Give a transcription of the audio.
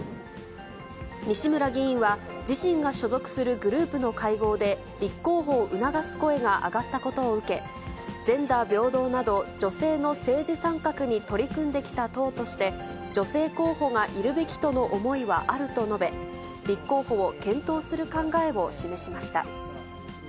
西村議員は自身が所属するグループの会合で、立候補を促す声が挙がったことを受け、ジェンダー平等など女性の政治参画に取り組んできた党として、女性候補がいるべきとの思いはあると述べ、立候補を検討する考えを示しました。